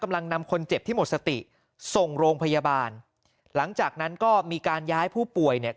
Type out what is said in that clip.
นำคนเจ็บที่หมดสติส่งโรงพยาบาลหลังจากนั้นก็มีการย้ายผู้ป่วยเนี่ย